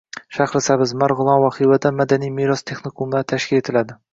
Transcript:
Shahrisabz, Marg‘ilon va Xivada Madaniy meros texnikumlari tashkil etiladi